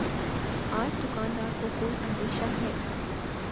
آج دکان دار کو کوئی اندیشہ ہے